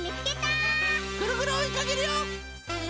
ぐるぐるおいかけるよ！